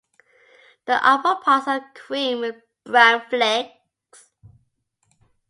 The upperparts are cream with brown flecks.